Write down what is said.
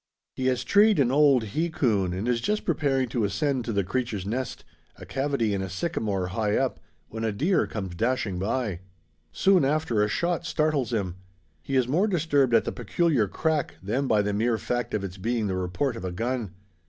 He has "treed" an old he coon, and is just preparing to ascend to the creature's nest a cavity in a sycamore high up when a deer comes dashing by. Soon after a shot startles him. He is more disturbed at the peculiar crack, than by the mere fact of its being the report of a gun.